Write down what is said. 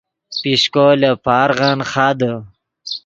پیشکو لے پارغن خادے